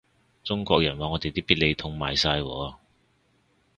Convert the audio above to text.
中國人話我哋啲必理痛賣晒喎